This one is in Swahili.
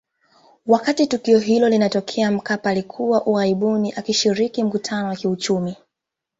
Wakati tukio hilo linatokea Mkapa alikuwa ughaibuni akishiriki mkutano wa kiuchumi